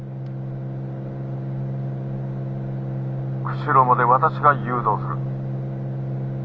「釧路まで私が誘導する」。